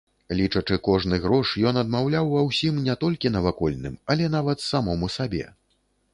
Лічачы кожны грош, ён адмаўляў ва ўсім не толькі навакольным, але нават самому сабе.